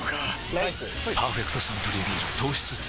ライス「パーフェクトサントリービール糖質ゼロ」